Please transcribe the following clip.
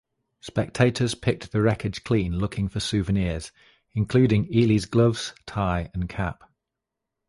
Spectators picked the wreckage clean looking for souvenirs, including Ely's gloves, tie and cap.